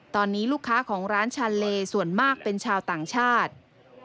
ตอนนี้ลูกค้าของร้านชาเลส่วนมากเป็นชาวต่างชาติ